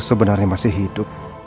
sebenarnya masih hidup